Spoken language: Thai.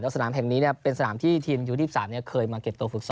แล้วสถานแห่งนี้เนี่ยเป็นสถานที่ทีมยูทีสามเนี่ยเคยมาเก็บตัวฝึกศพ